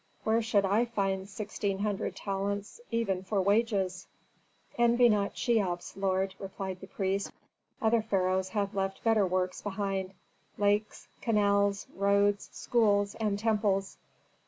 Where should I find sixteen hundred talents even for wages?" "Envy not Cheops, lord," replied the priest. "Other pharaohs have left better works behind: lakes, canals, roads, schools, and temples."